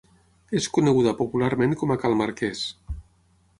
És coneguda popularment com a Cal Marquès.